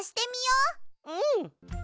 うん！